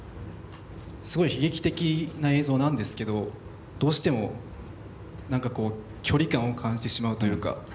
すごい悲劇的な映像なんですけどどうしても何かこう距離感を感じてしまうというか。